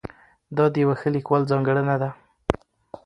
دا د یوه ښه لیکوال ځانګړنه ده.